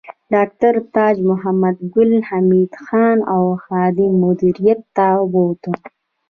ډاکټر تاج محمد ګل حمید خان د خاد مدیریت ته بوت